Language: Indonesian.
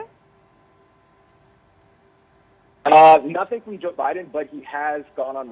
tidak ada apa apa dari joe biden tapi dia telah mengatasi